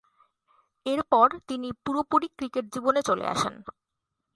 এরপর তিনি পুরোপুরি ক্রিকেট জীবনে চলে আসেন।